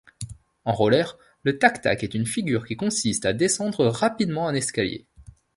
En rollers, le tac-tac est une figure qui consiste à descendre rapidement un escalier.